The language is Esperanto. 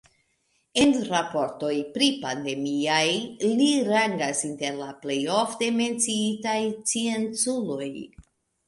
En raportoj pripandemiaj li rangas inter la plej ofte menciitaj scienculoj.